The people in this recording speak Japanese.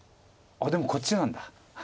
でもこっちなんだ。